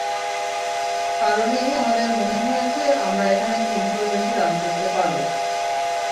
কারণেই আমাদের মনে হয়েছে আমরা এখানে তিন শোর বেশি রান করতে পারব।